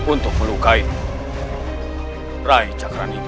untuk melukai rai cakran ini